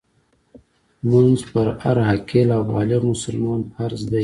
لمونځ په هر عاقل او بالغ مسلمان فرض دی .